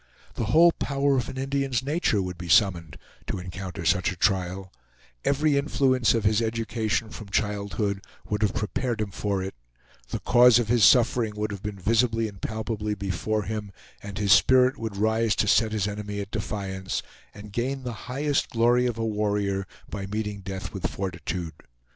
The whole power of an Indian's nature would be summoned to encounter such a trial; every influence of his education from childhood would have prepared him for it; the cause of his suffering would have been visibly and palpably before him, and his spirit would rise to set his enemy at defiance, and gain the highest glory of a warrior by meeting death with fortitude.